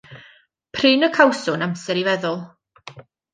Prin y cawswn amser i feddwl.